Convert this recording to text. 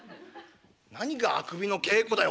なにがあくびの稽古だよ。